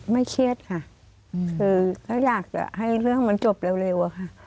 ไม่เครียดค่ะเค้าอยากให้เรื่องมันจบเร็วค่ะ